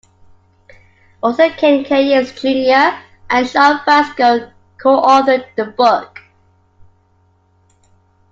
Author Ken Keyes Junior and Jacque Fresco coauthored the book.